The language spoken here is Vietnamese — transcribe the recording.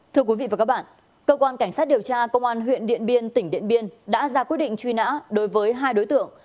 thưa quý vị và các bạn cơ quan cảnh sát điều tra công an huyện điện biên tỉnh điện biên đã ra quyết định truy nã đối với hai đối tượng